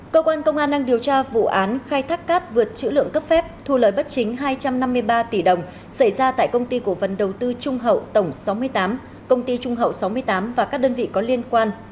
cơ quan công an đang điều tra vụ án khai thác cát vượt chữ lượng cấp phép thu lời bất chính hai trăm năm mươi ba tỷ đồng xảy ra tại công ty cổ phần đầu tư trung hậu tổng sáu mươi tám công ty trung hậu sáu mươi tám và các đơn vị có liên quan